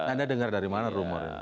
anda dengar dari mana rumornya